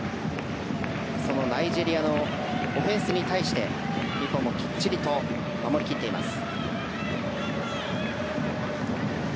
ナイジェリアのオフェンスに対して日本もきっちりと守り切っています。